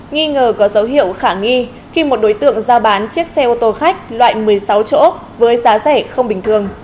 nghi ngờ có dấu hiệu khả nghi khi một đối tượng giao bán chiếc xe ô tô khách loại một mươi sáu chỗ với giá rẻ không bình thường